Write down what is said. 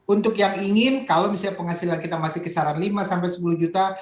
untuk yang ingin kalau misalnya penghasilan kita masih kisaran lima sampai sepuluh juta